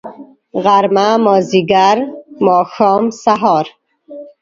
غرمه . مازدیګر . ماښام .. سهار